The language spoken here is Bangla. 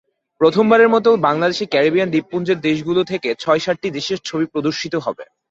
প্রথমবারের মতো বাংলাদেশে ক্যারিবিয়ান দ্বীপপুঞ্জের দেশগুলো থেকে ছয়-সাতটি দেশের ছবি প্রদর্শিত হবে।